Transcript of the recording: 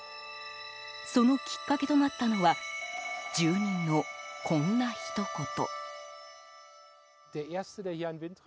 そのきっかけとなったのは住人の、こんなひと言。